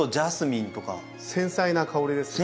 繊細な香りですよね。